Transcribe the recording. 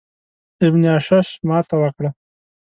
ابن اشعث ماته وکړه.